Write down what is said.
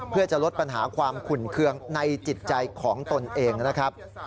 เพื่อจะลดปัญหาความขุ่นเครื่องในจิตใจของตนเองนะครับ